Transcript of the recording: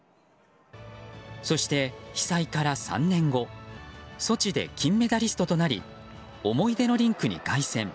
そして、被災から３年後ソチで金メダリストとなり思い出のリンクに凱旋。